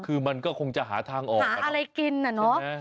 คือมันก็คงจะหาทางออกหาอะไรกินน่ะเนอะ